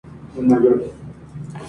Está basada en el libro por Aimee Bender.